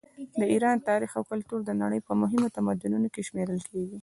د ایران تاریخ او کلتور د نړۍ په مهمو تمدنونو کې شمېرل کیږي.